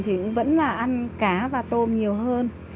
thì vẫn là ăn cá và tôm nhiều hơn